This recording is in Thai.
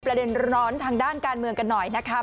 ประเด็นร้อนทางด้านการเมืองกันหน่อยนะคะ